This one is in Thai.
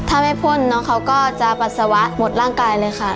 ถ้าไม่พ่นน้องเขาก็จะปัสสาวะหมดร่างกายเลยค่ะ